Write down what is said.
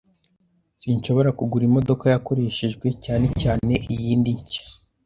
Sinshobora kugura imodoka yakoreshejwe, cyane cyane iyindi nshya.